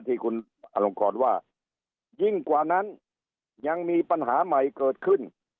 ที่คุณอลงกรว่ายิ่งกว่านั้นยังมีปัญหาใหม่เกิดขึ้น